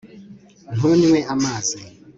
ntunywe amazi